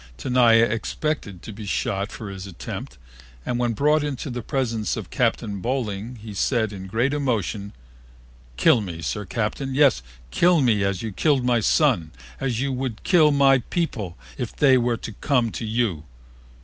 Tenaya expected to be shot for this attempt and when brought into the presence of Captain Boling he said in great emotion, "Kill me, Sir Captain, yes, kill me as you killed my son, as you would kill my people if they were to come to you.